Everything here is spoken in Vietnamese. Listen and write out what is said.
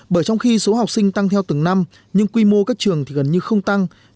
bởi trong khi số học sinh tăng theo từng năm nhưng quy mô các trường thì gần như không tăng